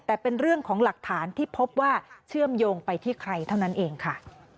แต่เป็นเรื่องของหลักฐานที่พบว่าเชื่อมโยงไปที่ใครเท่านั้นเองค่ะ